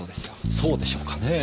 そうでしょうかねぇ。